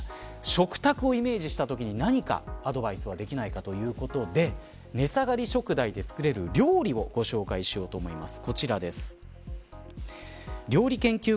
食卓をイメージしたときに何かアドバイスはできないかということで値下がり食材でつくれる料理をご紹介しようと思います。